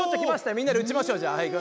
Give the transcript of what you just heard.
みんなで撃ちましょうじゃあ。